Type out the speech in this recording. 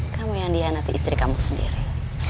kamu yang dihianati istri kamu sendiri